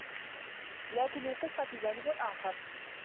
لكن للقصّة جانب آخر.